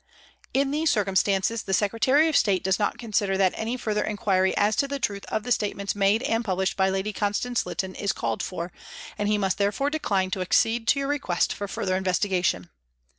" In these circumstances the Secretary of State does not consider that any further inquiry as to the truth of the statements made and published by Lady Constance Lytton is called for, and he must therefore decline to accede to your request for further investigation.